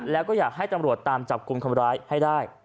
แล้วก็อยากให้ตำรวจตามจับกลุ่มคนร้ายให้ได้